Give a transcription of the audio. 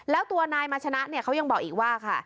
แล้วตัวนายมาชนะเขายังบอกอีกว่า